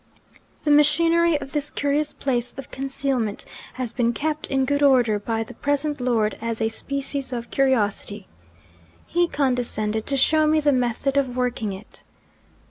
The machinery of this curious place of concealment has been kept in good order by the present lord, as a species of curiosity. He condescended to show me the method of working it.